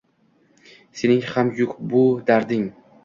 Sening ham yo’k bu darding;